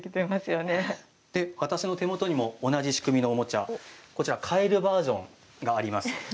私の手元にも同じ仕組みのおもちゃのカエルバージョンがあります。